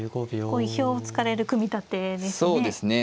こう意表をつかれる組み立てですね。